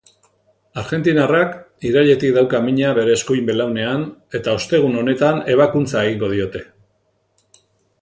Argentinarrak irailetik dauka mina bere eskuin belaunean eta ostegun honetan ebakuntza egingo diote.